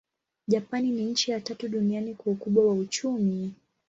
Japani ni nchi ya tatu duniani kwa ukubwa wa uchumi.